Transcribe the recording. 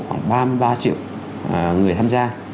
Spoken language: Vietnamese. khoảng ba mươi ba triệu người tham gia